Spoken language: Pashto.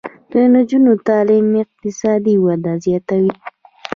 د نجونو تعلیم اقتصادي وده زیاتوي.